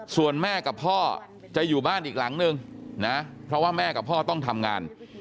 ส่วนแม่กับพ่อจะอยู่บ้านอีกหลังนึงนะเพราะว่าแม่กับพ่อต้องทำงาน